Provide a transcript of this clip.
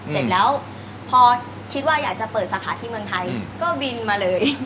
เสร็จแล้วพอคิดว่าอยากจะเปิดสาขาที่เมืองไทยก็บินมาเลย